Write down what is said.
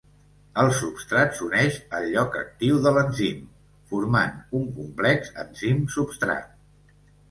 El substrat s'uneix al lloc actiu de l'enzim, formant un complex enzim-substrat.